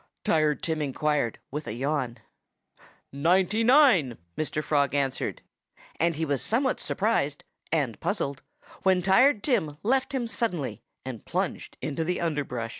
Tired Tim inquired with a yawn. "Ninety nine!" Mr. Frog answered. And he was somewhat surprised and puzzled when Tired Tim left him suddenly and plunged into the underbrush.